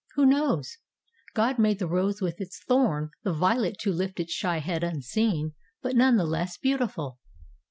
Who knows? God made the rose with its thorn, the violet to lift its shy head unseen, but none the less beautiful.